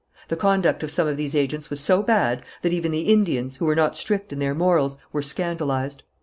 The conduct of some of these agents was so bad that even the Indians, who were not strict in their morals, were scandalized.